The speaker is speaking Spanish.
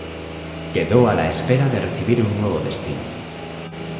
Quedó a la espera de recibir un nuevo destino.